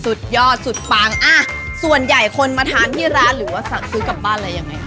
สุดยอดสุดปังอ่ะส่วนใหญ่คนมาทานที่ร้านหรือว่าสั่งซื้อกลับบ้านอะไรยังไงคะ